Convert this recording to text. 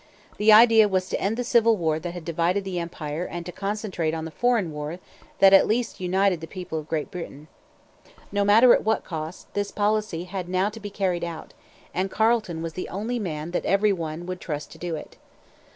The idea was to end the civil war that had divided the Empire and to concentrate on the foreign war that at least united the people of Great Britain. No matter at what cost this policy had now to be carried out; and Carleton was the only man that every one would trust to do it.